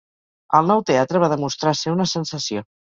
El nou teatre va demostrar ser una sensació.